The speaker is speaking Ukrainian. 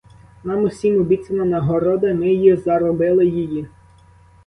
Нам усім обіцяна нагорода, ми й заробили її!